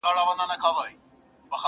• خو ځينې دودونه پاتې وي تل,